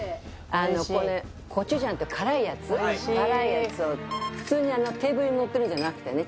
あのこれコチュジャンって辛いやつ辛いやつを普通にテーブルにのってるんじゃなくてね